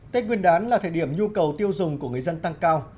tết nguyên đán là thời điểm nhu cầu tiêu dùng của người dân tăng cao